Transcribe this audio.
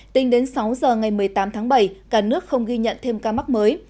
tính đến sáu giờ ngày một mươi tám tháng bảy cả nước không ghi nhận thêm ca mắc mới